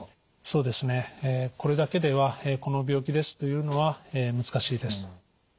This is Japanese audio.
そうですねこれだけではこの病気ですというのは難しいです。